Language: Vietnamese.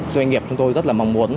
doanh nghiệp chúng tôi rất là mong muốn